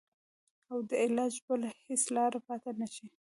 او د علاج بله هېڅ لاره پاته نه شي.